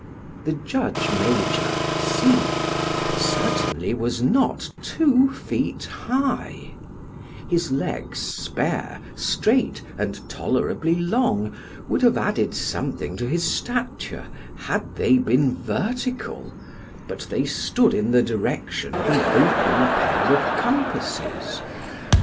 The judge major, Simon, certainly was not two feet high; his legs spare, straight, and tolerably long, would have added something to his stature had they been vertical, but they stood in the direction of an open pair of compasses.